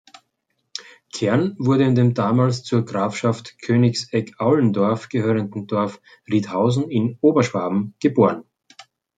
Kern wurde in dem damals zur Grafschaft Königsegg-Aulendorf gehörenden Dorf Riedhausen in Oberschwaben geboren.